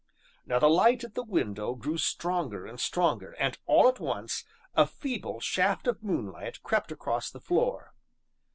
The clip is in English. Now the light at the window grew stronger and stronger, and, all at once, a feeble shaft of moonlight crept across the floor.